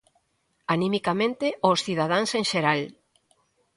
Animicamente ós cidadáns en xeral.